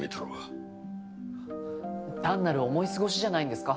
単なる思い過ごしじゃないんですか？